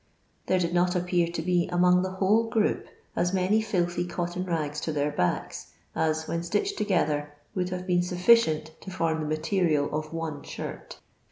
There did not appear to be among the whole group as manr filthy cotton rags to their backs as, when stitched together, would hare been sufficient to form the material of one shirt.